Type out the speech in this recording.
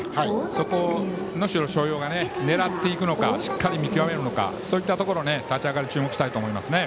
そこを能代松陽が狙っていくのかしっかり見極めるのかそういったところ立ち上がり注目したいと思いますね。